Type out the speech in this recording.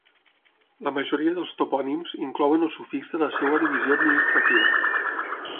La majoria dels topònims inclouen el sufix de la seva divisió administrativa.